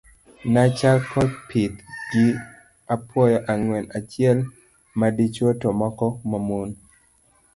Nachako pith gi apuoyo ang'wen, achiel madichuo to moko mamon.